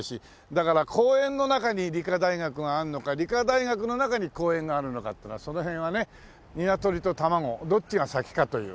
だから公園の中に理科大学があるのか理科大学の中に公園があるのかっていうのはその辺はね鶏と卵どっちが先かという。